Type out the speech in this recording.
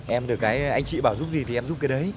em được cái anh chị bảo giúp gì thì em giúp cái đấy